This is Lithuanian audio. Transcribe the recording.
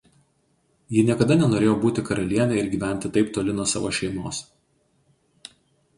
Ji niekada nenorėjo būti karaliene ir gyventi taip toli nuo savo šeimos.